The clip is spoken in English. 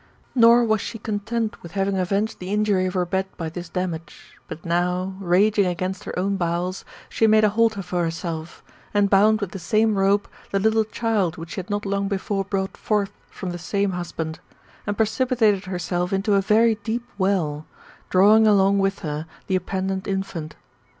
Nor was she content with having avenged the injury of her bed by this damage, but now, raging against her own bowels, she made a halter for herself, and bound with the same rope the little child which she had not long before brought forth from the same husband, and precipitated herself into a very deep well, drawing along with her the appendant infant.